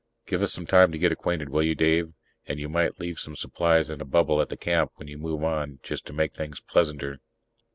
"Give us some time to get acquainted, will you, Dave? And you might leave some supplies and a bubble at the camp when you move on, just to make things pleasanter."